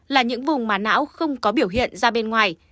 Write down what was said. là những vùng mà não không có biểu hiện ra bên ngoài